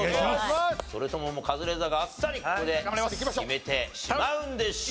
それともカズレーザーがあっさりここで決めてしまうんでしょうか？